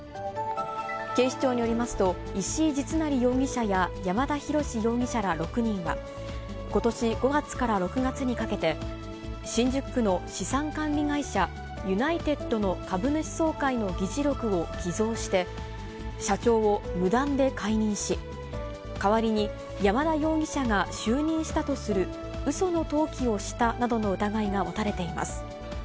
警視庁によりますと、石井実成容疑者や山田博容疑者ら６人は、ことし５月から６月にかけて、新宿区の資産管理会社、ユナイテッドの株主総会の議事録を偽造して、社長を無断で解任し、代わりに山田容疑者が就任したとするうその登記をしたなどの疑いが持たれています。